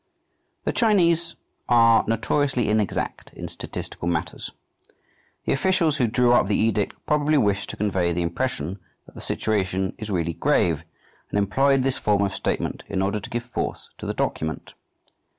The Chinese are notoriously inexact in statistical matters. The officials who drew up the edict probably wished to convey the impression that the situation is really grave, and employed this form of statement in order to give force to the document.